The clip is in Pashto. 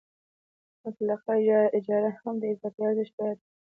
مطلقه اجاره هم د اضافي ارزښت بیه ده